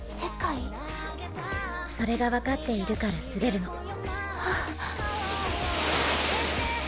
それが分かっているから滑るの。